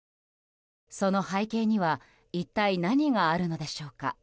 その背景には一体何があるのでしょうか。